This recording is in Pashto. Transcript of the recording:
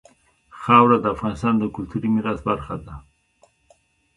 خاوره د افغانستان د کلتوري میراث برخه ده.